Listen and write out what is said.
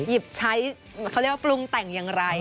หยิบใช้เขาเรียกว่าปรุงแต่งอย่างไร